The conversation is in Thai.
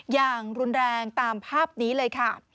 อย่างรุนแรงตามภาพนี้เลยค่ะ